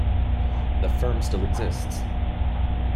The firm still exists.